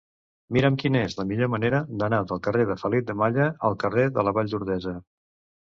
Mira'm quina és la millor manera d'anar del carrer de Felip de Malla al carrer de la Vall d'Ordesa.